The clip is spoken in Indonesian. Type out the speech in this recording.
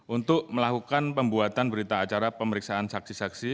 untuk melakukan pembuatan berita acara pemeriksaan saksi saksi